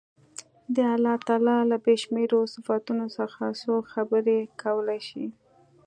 د الله تعالی له بې شمېرو صفتونو څخه څوک خبرې کولای شي.